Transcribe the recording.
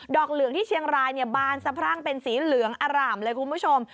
เหลืองที่เชียงรายเนี่ยบานสะพรั่งเป็นสีเหลืองอร่ามเลยคุณผู้ชม